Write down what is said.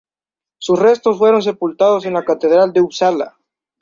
Sus restos fueron sepultados en la Catedral de Upsala.